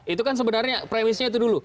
itu kan sebenarnya premisnya itu dulu